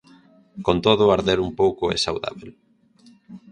Con todo, arder un pouco é saudábel.